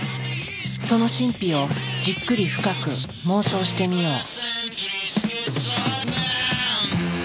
その神秘をじっくり深く妄想してみよう。